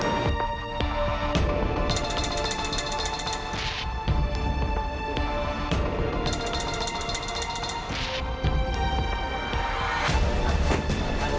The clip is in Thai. จากในไปก็ได้การมากขึ้นสงสัยให้จะกลับ